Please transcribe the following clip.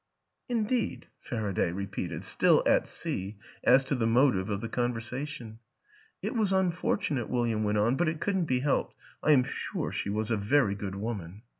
" Indeed! " Faraday repeated still at sea as to the motive of the conversation. " It was unfortunate," William went on, " but it couldn't be helped. I am sure she was a very good woman."